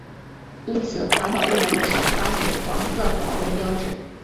因此环保部门只发给黄色环保标志。